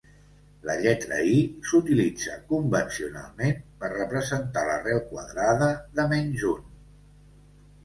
La lletra i s'utilitza convencionalment per representar l'arrel quadrada de menys un.